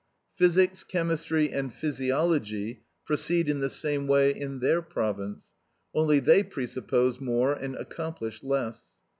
Physics, chemistry, and physiology proceed in the same way in their province, only they presuppose more and accomplish less.